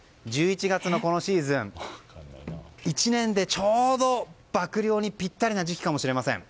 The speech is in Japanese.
１１月のこのシーズン１年でちょうど曝涼にぴったりの時期かもしれません。